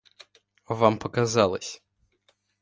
— Вам показалось.